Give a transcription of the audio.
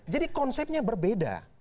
jadi konsepnya berbeda